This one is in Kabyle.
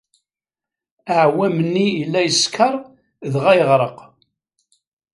Aɛewwam-nni yella yeskeṛ dɣa yeɣreq.